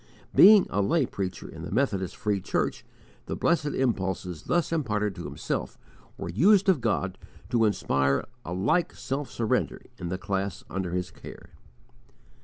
Being a lay preacher in the Methodist Free Church, the blessed impulses thus imparted to himself were used of God to inspire a like self surrender in the class under his care.